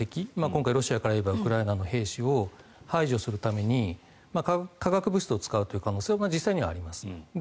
今回、ロシアから言えばウクライナの兵士を排除するために化学物質を使う可能性は実際にはあります。